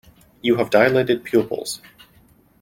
You have dilated pupils.